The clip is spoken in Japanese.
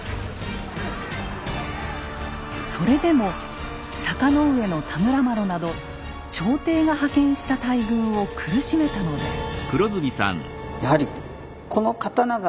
それでも坂上田村麻呂など朝廷が派遣した大軍を苦しめたのです。